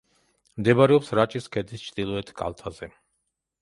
მდებარეობს რაჭის ქედის ჩრდილოეთ კალთზე.